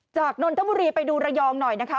นนทบุรีไปดูระยองหน่อยนะคะ